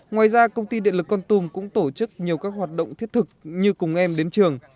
ngoài ra công ty điện lực con tum cũng tổ chức nhiều các hoạt động thiết thực như cùng em đến trường